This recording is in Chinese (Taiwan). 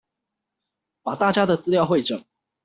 把大家的資料彙整